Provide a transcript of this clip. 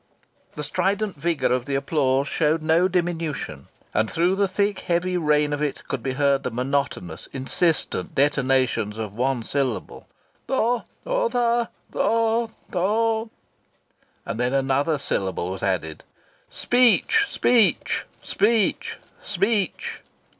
The strident vigour of the applause showed no diminution. And through the thick, heavy rain of it could be heard the monotonous, insistent detonations of one syllable: "'Thor! 'Thor! 'Thor! 'Thor! 'Thor!" And then another syllable was added: "Speech! Speech! Speech! Speech!"